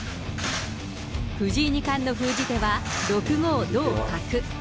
藤井二冠の封じ手は、６五同角。